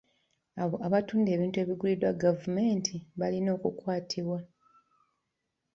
Abo abatunda ebintu ebiguliddwa gavumenti balina okukwatibwa.